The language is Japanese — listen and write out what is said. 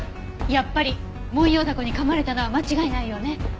やっぱりモンヨウダコに噛まれたのは間違いないようね。